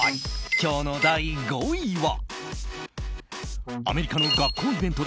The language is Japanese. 今日の第５位は。